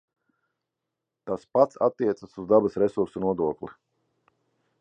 Tas pats attiecas uz dabas resursu nodokli.